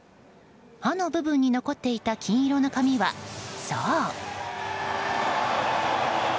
刃の部分に残っていた金色の紙はそう。